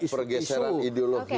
ada pergeseran ideologi